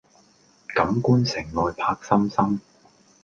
錦官城外柏森森